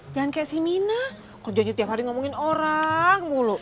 jangan kayak si mina kerjanya tiap hari ngomongin orang mulu